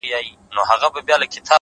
هوښیار فکر له بیړې لرې وي’